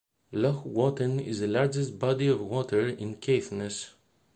Loch Watten is the largest body of water in Caithness.